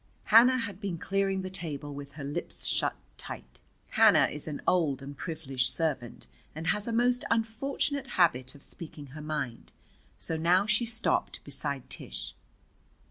Hannah had been clearing the table with her lips shut tight. Hannah is an old and privileged servant and has a most unfortunate habit of speaking her mind. So now she stopped beside Tish.